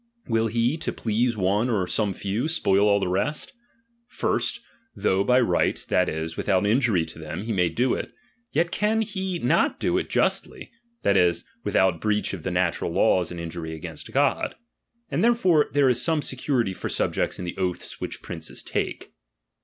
Will he, to please one or some few, spoil all the rest ? First, though by right, that is, without injury to them, he may do it, yet can he not do it justly, that is, without breach of the natural laws and injury against God. And therefore there is some security for subjects in the oaths which princes take.